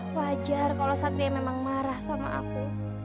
wajar kalau satria memang marah sama aku